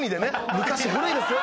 昔古いですよ。